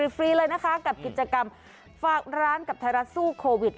ฟรีเลยนะคะกับกิจกรรมฝากร้านกับไทยรัฐสู้โควิด